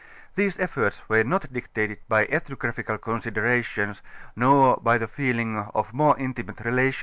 These efforts were not dictated hy etliiiofiTaphical considerations nor bj'' the feeling of more intimate relation.